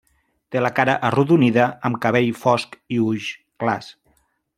Té la cara arrodonida amb cabell fosc i ulls clars.